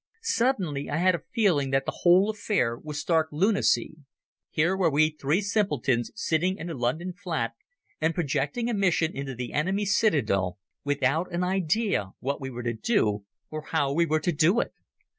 Suddenly I had a feeling that the whole affair was stark lunacy. Here were we three simpletons sitting in a London flat and projecting a mission into the enemy's citadel without an idea what we were to do or how we were to do it.